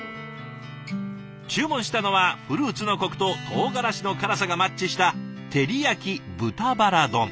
注文したのはフルーツのコクととうがらしの辛さがマッチした照り焼き豚バラ丼。